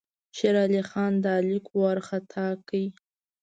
شېر علي خان دا لیک وارخطا کړ.